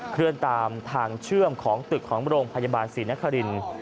เคลื่อนตามทางเชื่อมของตึกของโรงพยาบาลศรีนครินทร์